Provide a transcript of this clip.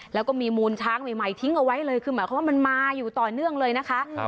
แล้วก็มีมูลช้างใหม่ทิ้งเอาไว้เลยคือหมายความว่ามันมาอยู่ต่อเนื่องเลยนะคะ